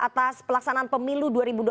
atas pelaksanaan pemilu dua ribu dua puluh